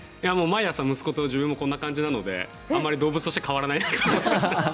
毎朝息子と僕もこんな感じなのであまり動物として変わらないなと思って。